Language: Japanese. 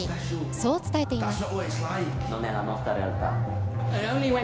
そう伝えています。